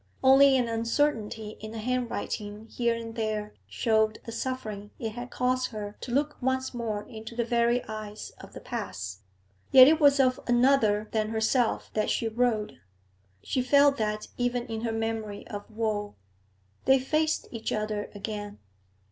Only an uncertainty in the hand writing here and there showed the suffering it had cost her to look once more into the very eyes of the past. Yet it was of another than herself that she wrote; she felt that even in her memory of woe. They faced each other again.